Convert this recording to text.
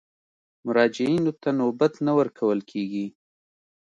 مراجعینو ته نوبت نه ورکول کېږي.